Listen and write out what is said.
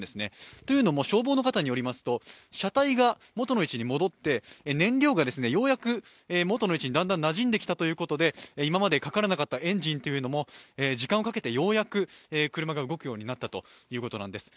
というのも消防の方によりますと車体がもとの位置に戻って燃料がようやく元の位置にだんだんなじんできたということで今までかからなかったエンジンも時間をかけてようやく車が動くようになったということなんです。